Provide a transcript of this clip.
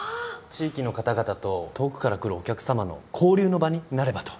地域の方々と遠くから来るお客様の交流の場になればと。